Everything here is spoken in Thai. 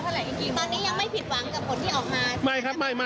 ตอนนี้ยังไม่ผิดหวังกับคนที่ออกมา